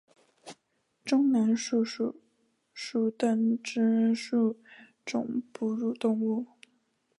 中南树鼠属等之数种哺乳动物。